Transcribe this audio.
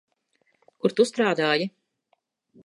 Kur tu strādāji?